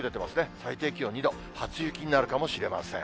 最低気温２度、初雪になるかもしれません。